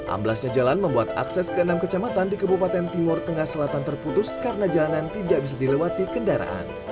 amblasnya jalan membuat akses ke enam kecamatan di kebupaten timur tengah selatan terputus karena jalanan tidak bisa dilewati kendaraan